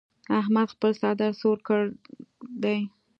احمد خپل څادر سور کړ دی.